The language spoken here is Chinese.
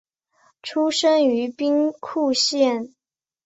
出身于兵库县。